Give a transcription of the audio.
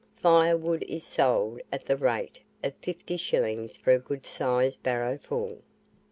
Firewood is sold at the rate of fifty shillings for a good sized barrow full.